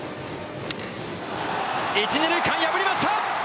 一・二塁間を破りました！